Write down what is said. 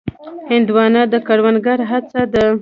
هندوانه د کروندګرو هڅه ده.